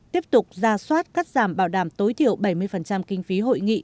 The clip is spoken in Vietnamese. tiếp tục ra soát cắt giảm bảo đảm tối thiểu bảy mươi kinh phí hội nghị